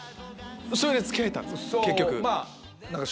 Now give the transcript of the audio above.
それで付き合えたんですか？